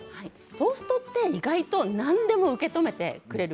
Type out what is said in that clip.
トーストは意外と何でも受け止めてくれる。